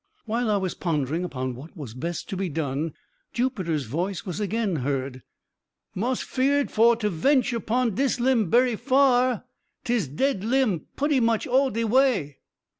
While I was pondering upon what was best to be done, Jupiter's voice was again heard. "Mos feered for to ventur pon dis limb berry far 'tis dead limb putty much all de way."